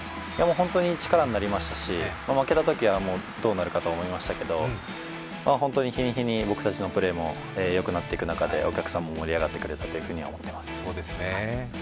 本当に力になりましたし、負けたときは、どうなるかと思いましたけど、日に日に僕たちのプレーもよくなってく中でお客さんも盛り上がってくれたと思います。